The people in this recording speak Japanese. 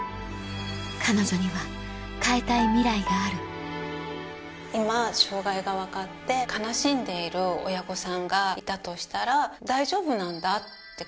彼女には変えたいミライがある今障がいが分かって悲しんでいる親御さんがいたとしたら大丈夫なんだって。